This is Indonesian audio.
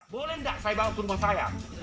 boleh nggak saya bawa ke rumah saya